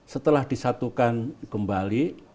setelah disatukan kembali